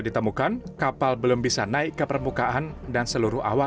kepala kapal selam kri nanggala